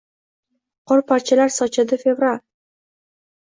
Qorparchalar sochadi fevralь.